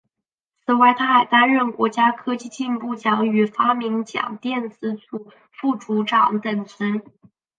此外他还担任国家科技进步奖与发明奖电子组副组长等职。